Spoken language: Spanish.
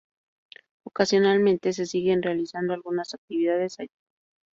Ocasionalmente se siguen realizando algunas actividades allí.